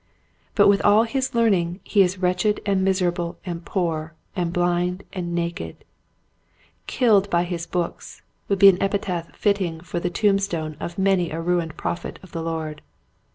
But with all his learning he is wretched and miserable and poor and blind and naked. " Killed by his books " would be an epitaph fitting for the tomb stone of many a ruined prophet of the Lord.